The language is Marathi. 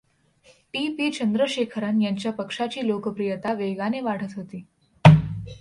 टी. पी. चंद्रशेखरन यांच्या पक्षाची लोकप्रियता वेगाने वाढत होती.